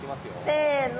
せの！